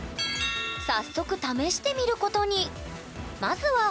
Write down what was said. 早速試してみることに！